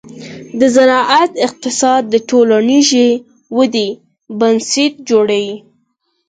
د زراعت اقتصاد د ټولنیزې ودې بنسټ جوړوي.